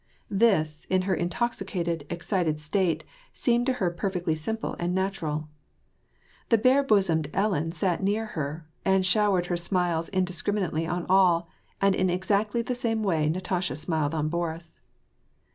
This, in her intoxicated, edited state, seemed to her perfectly simple and natural. ^he bare bosomed Ellen sat near her, and showered her smiles indiscriminately on all, and in exactly the same way Natasha smiled on Boris.